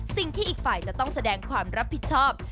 อีกฝ่ายจะต้องแสดงความรับผิดชอบ